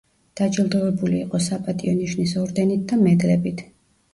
დაჯილდოვებული იყო საპატიო ნიშნის ორდენით და მედლებით.